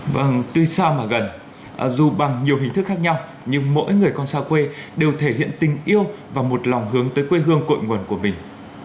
vâng tuy xa mà gần dù bằng nhiều hình thức khác nhau nhưng mỗi người con xa quê đều thể hiện tình yêu và một lòng hướng tới quê hương cội nguồn của mình